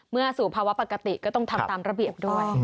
สู่ภาวะปกติก็ต้องทำตามระเบียบด้วย